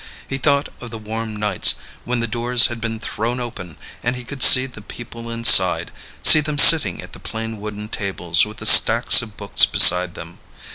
He thought of the warm nights when the doors had been thrown open and he could see the people inside, see them sitting at the plain wooden tables with the stacks of books beside them.